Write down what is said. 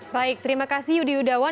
baik terima kasih yudi yudawan